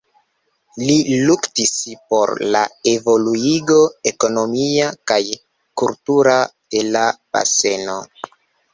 Li luktis por la evoluigo ekonomia kaj kultura de la baseno.